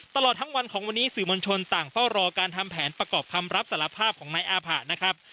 ตลอดทั้งวันของวันนี้สื่อมวลชนต่างเฝ้ารอการทำแผนประกอบคำรับสารภาพของนายอาผะนะครับ